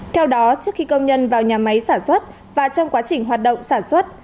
theo đó trước khi công nhân vào nhà máy sản xuất và trong quá trình hoạt động sản xuất